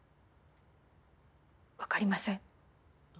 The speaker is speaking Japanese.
わかりません。